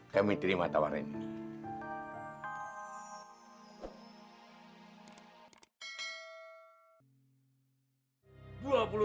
kami terima tawaran ini